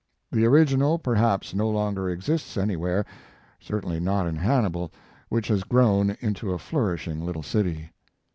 The original perhaps no longer exists anywhere, certainly not in Hannibal, which has grown into a flourishing little city.